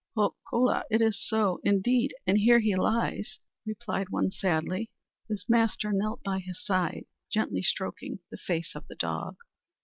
"Ho, kola, it is so, indeed; and here he lies," replied one sadly. His master knelt by his side, gently stroking the face of the dog.